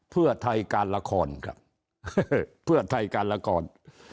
เพื่อไทยการละครครับเพื่อไทยการละคร